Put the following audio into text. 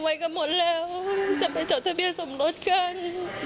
เตรียมไว้กันหมดแล้วจะไปจอดทะเบียสมรสกัน